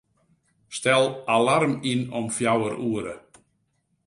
Stel alarm yn om fjouwer oere.